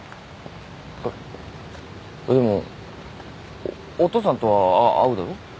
あっでもおっお父さんとはあっ会うだろ？